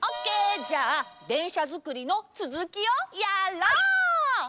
じゃあでんしゃづくりのつづきをやろう！